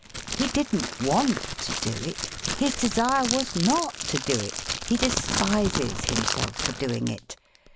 He didn't want to do it. His desire was not to do it. He despises himself for doing it.